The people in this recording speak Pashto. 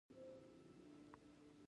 ایا په خوب کې ګرځئ؟